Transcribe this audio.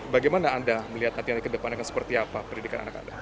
bagaimana anda melihat nanti anaknya ke depannya seperti apa pendidikan anak anda